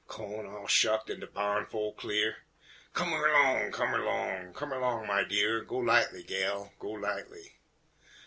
Cawn all shucked an' de barn flo' clear, Come erlong, come erlong, come erlong, my dear, Go lightly, gal, go lightly!